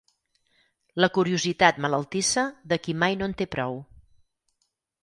La curiositat malaltissa de qui mai no en té prou.